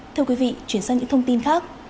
thưa quý vị chuyển sang những thông tin khác